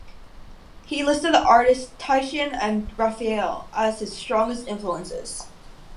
He listed the artists Titian and Raphael as his strongest influences.